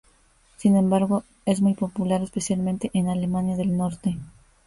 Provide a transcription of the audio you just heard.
Sin embargo es muy popular, especialmente en Alemania del norte.